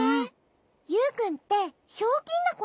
ユウくんってひょうきんなこなの？